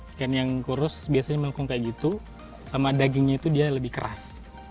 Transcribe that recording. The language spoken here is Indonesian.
ikan yang kurus biasanya melengkung kayak gitu sama dagingnya itu dia lebih keras